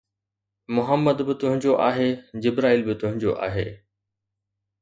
محمد به تنهنجو آهي، جبرائيل به تنهنجو آهي